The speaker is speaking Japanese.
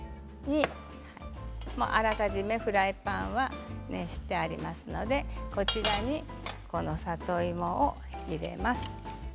あらかじめフライパンは熱してありますのでこちらに里芋を入れます。